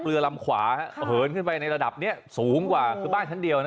เรือลำขวาเหินขึ้นไปในระดับนี้สูงกว่าคือบ้านชั้นเดียวนะ